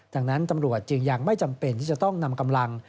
ดังนั้นตำรวจจึงยังไม่จำเป็นที่จะต้องนำกำลัง